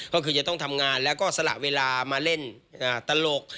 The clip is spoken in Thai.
ก็คือจะต้องทำงานแล้วก็สละเวลามาเล่นตลก